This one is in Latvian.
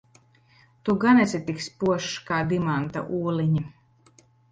Tu gan esi tik spožs kā dimanta oliņa?